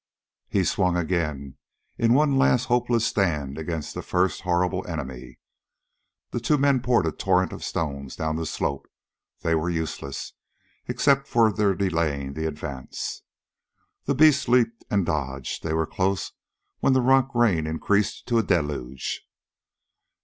He swung again in one last hopeless stand against the first horrible enemy. The two men poured a torrent of stones down the slope; they were useless, except for their delaying the advance. The beasts leaped and dodged. They were close when the rock rain increased to a deluge.